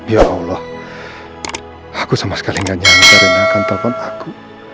ya allah aku sama sekali ga nyangka rena akan telfon aku